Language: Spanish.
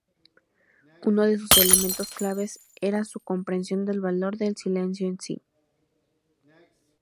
Uno de sus elementos claves era su comprensión del valor del silencio en sí.